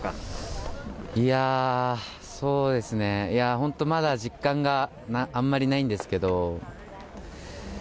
今、いやー、そうですね、いや本当、まだ実感があんまりないんですけど。